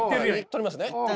取りますね。